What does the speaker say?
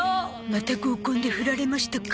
また合コンでフラれましたか。